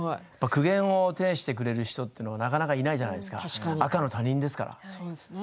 苦言を呈してくれる人というのはなかなかいないじゃないですか赤の他人ですから。